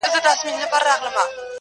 ما در کړي د اوربشو انعامونه-